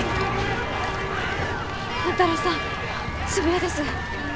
万太郎さん渋谷です。